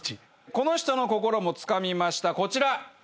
この人の心もつかみましたこちら。